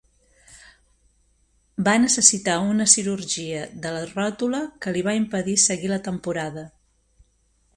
Va necessitar una cirurgia de la ròtula que li va impedir seguir la temporada.